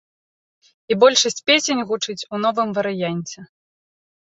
І большасць песень гучыць у новым варыянце.